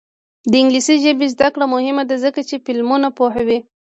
د انګلیسي ژبې زده کړه مهمه ده ځکه چې فلمونه پوهوي.